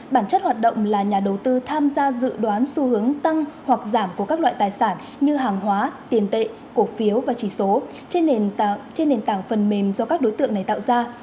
bản chất hoạt động là nhà đầu tư tham gia dự đoán xu hướng tăng hoặc giảm của các loại tài sản như hàng hóa tiền tệ cổ phiếu và chỉ số nền tảng phần mềm do các đối tượng này tạo ra